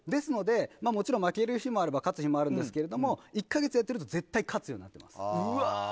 もちろん負ける日もあれば勝つ日もあるので１か月やっていると絶対勝つようになります。